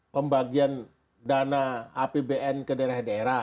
pembagian dana apbn ke daerah daerah